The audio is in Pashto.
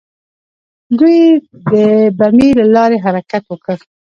دوی د بمیي له لارې حرکت وکړ.